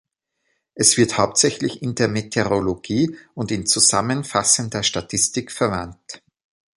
Es wird hauptsächlich in der Meteorologie und in zusammenfassender Statistik verwandt.